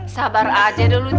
sabar aja dulu